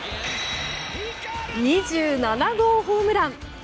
２７号ホームラン。